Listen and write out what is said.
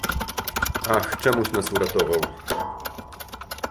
"Ach, czemuś nas uratował!"